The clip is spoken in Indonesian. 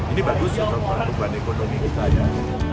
ini bagus untuk perubahan ekonomi kita